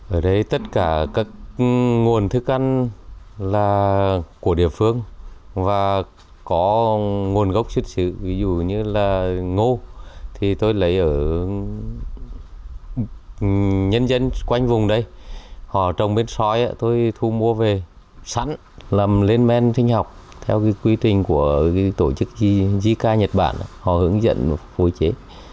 ở đây tất cả các nguồn thức ăn là của địa phương và có nguồn gốc xuất xứ ví dụ như là ngô thì tôi lấy ở nhân dân quanh vùng đây họ trồng bên soi tôi thu mua về sẵn làm lên men sinh học theo quy trình của tổ chức jica nhật bản họ hướng dẫn phối chế